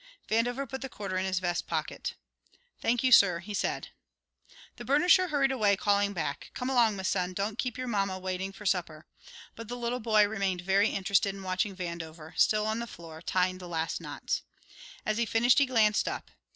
Vandover put the quarter in his vest pocket. "Thank you, sir," he said. The burnisher hurried away, calling back, "Come along, m'son; don't keep your mama waiting for supper." But the little boy remained very interested in watching Vandover, still on the floor, tying the last knots. As he finished, he glanced up.